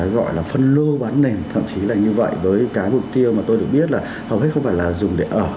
gọi là phân lô bán nền thậm chí là như vậy với cái mục tiêu mà tôi được biết là hầu hết không phải là dùng để ở